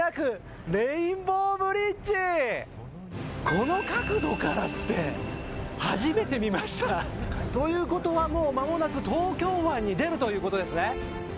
この角度からって初めて見ました！ということは、もうまもなく東京湾に出るということですね。